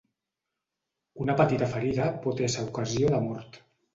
Una petita ferida pot ésser ocasió de mort.